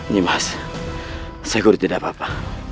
nyai mas seyegur tidak apa apa